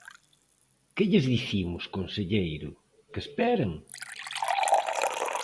¿Que lles dicimos, conselleiro?, ¿que esperen?